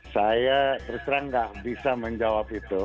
saya terserah nggak bisa menjawab itu